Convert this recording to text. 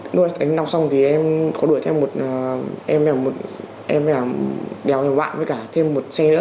em đuổi đánh nóng xong thì em có đuổi thêm một em đèo thêm bạn với cả thêm một xe nữa